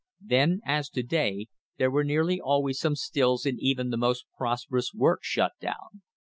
Then, as to day, there were nearly always some stills in even the most prosperous works shut down.